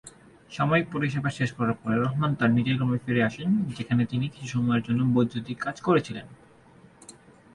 সামরিক পরিষেবা শেষ করার পরে, রাহমান তার নিজের গ্রামে ফিরে আসেন যেখানে তিনি কিছু সময়ের জন্য বৈদ্যুতিক কাজ করেছিলেন।